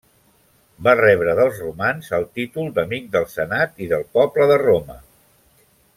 Va rebre dels romans el títol d'amic del senat i del poble de Roma.